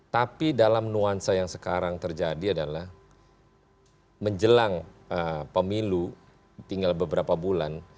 tapi dalam nuansa yang sekarang terjadi adalah menjelang pemilu tinggal beberapa bulan